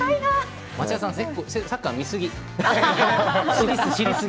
松也さん、サッカー見すぎ。